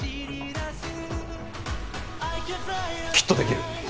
きっとできる。